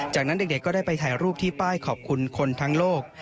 จากนั้นเด็กก็ได้ไปถ่ายรูปที่ป้ายขอบคุณคนทั้งโลก